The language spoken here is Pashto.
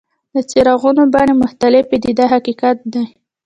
د څراغونو بڼې مختلفې دي دا حقیقت دی.